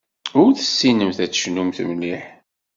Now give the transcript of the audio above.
Ur tessinemt ad tecnumt mliḥ.